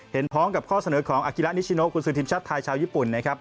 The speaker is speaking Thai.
เห็นพร้อมกับข้อเสนอของอัคิรานิชชิโนคุณสูตรทีมชาติไทยชาวญี่ปุ่น